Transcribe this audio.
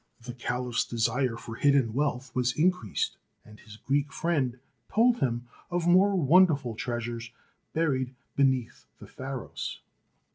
The Caliph's desire for hidden wealth was increased, and his Greek friend told him of more wonderful treasures buried beneath the Pharos.